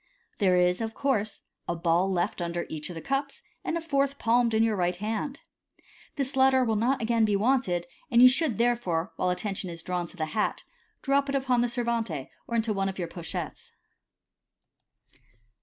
There is, of course, a ball left under each of the cups, and a fourth palmed in your right hand. This latter will not again be wanted, and you should therefore, while attention is drawn to the hat, drop it upon the servante, or into one of your pochettes.